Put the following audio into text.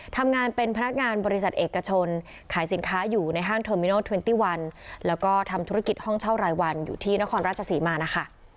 ทำงานเป็นพนักงานบริษัทเอกชนขายสินค้าอยู่ในห้างเทอร์มิโนเทรนตี้วันแล้วก็ทำธุรกิจห้องเช่ารายวันอยู่ที่นครราชศรีมานะคะ